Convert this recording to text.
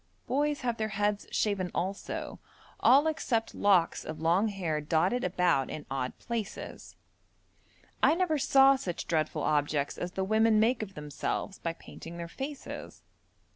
Boys have their heads shaven also, all except locks of long hair dotted about in odd places. I never saw such dreadful objects as the women make of themselves by painting their faces.